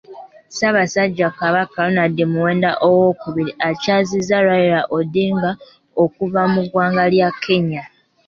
Ssaabasajja Kabaka Ronald Muwenda Mutebi II akyazizza Raila Odinga okuva mu ggwanga lya Kenya.